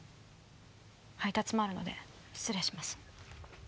配達もあるので失礼します。